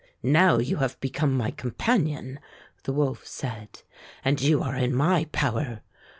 ''Now you have become my companion," the wolf said, "and you are in my power.